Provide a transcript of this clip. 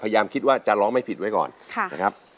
พยายามคิดว่าจะร้องไม่ผิดไว้ก่อนค่ะนะครับ